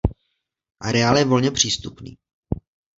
Areál je volně přístupný.